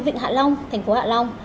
vịnh hạ long thành phố hạ long